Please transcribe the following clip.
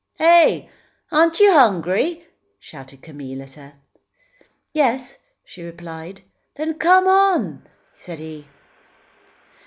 "Heh! Aren't you hungry?" shouted Camille at her. "Yes," she replied. "Then, come on!" said he.